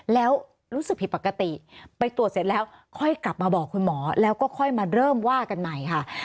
แล้วรู้สึกผิดปกติไปตรวจเสร็จแล้วค่อยกลับมาบอกคุณหมอแล้วก็ค่อยมาเริ่มว่ากันใหม่ค่ะ